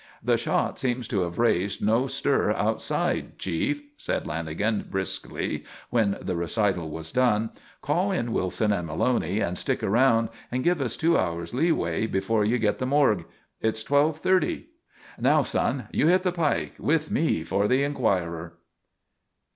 "The shot seems to have raised no stir outside, Chief," said Lanagan, briskly, when the recital was done. "Call in Wilson and Maloney and stick around and give us two hours lee way before you get the morgue. It's twelve thirty. "_Now, son, you hit the pike with me for the Enquirer!